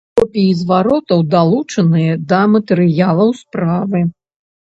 Копіі зваротаў далучаныя да матэрыялаў справы.